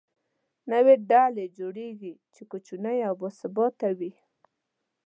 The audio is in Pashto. نوې ډلې جوړېږي، چې کوچنۍ او باثباته وي.